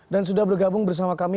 dan sudah bergabung bersama kami